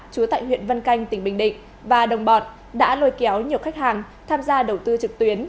chú tại huyện vân canh tỉnh bình định và đồng bọn đã lôi kéo nhiều khách hàng tham gia đầu tư trực tuyến